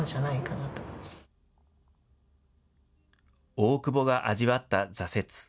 大久保が味わった挫折。